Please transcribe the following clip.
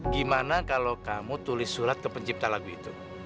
gimana kalau kamu tulis surat ke pencipta lagu itu